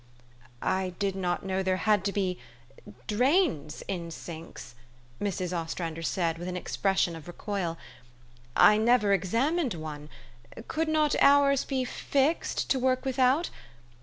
' I did not know there had to be drains in sinks," said Mrs. Ostrander with an expression of recoil, " I never examined one. Could not ours be fixed to work without?